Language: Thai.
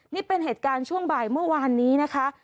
นี่เป็นเหตุการณ์ช่วงบ่ายเมื่อวานนี้นะคะ